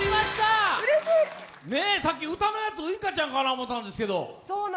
さっき、歌のやつウイカちゃんかと思ったんですけど。